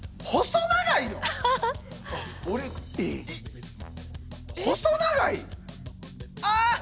細長い⁉あ！